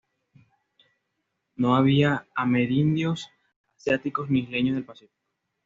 No había amerindios, asiáticos ni isleños del Pacífico.